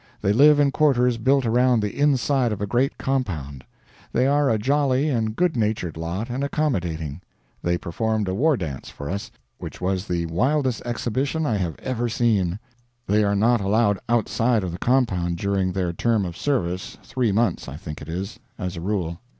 They live in quarters built around the inside of a great compound. They are a jolly and good natured lot, and accommodating. They performed a war dance for us, which was the wildest exhibition I have ever seen. They are not allowed outside of the compound during their term of service three months, I think it is, as a rule.